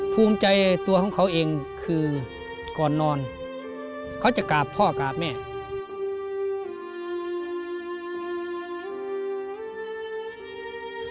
ภูมิใจตัวของเขาเองคือก่อนนอนเขาจะกราบพ่อกราบแม่